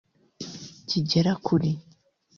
kigera kuri